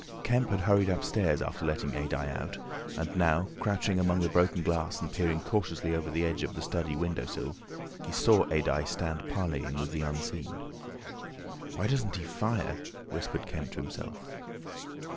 Kemp had hurried upstairs after letting Adye out, and now crouching among the broken glass and peering cautiously over the edge of the study window sill, he saw Adye stand parleying with the Unseen. "Why doesn't he fire?" whispered Kemp to himself.